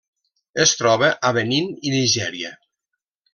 Es troba a Benín i Nigèria.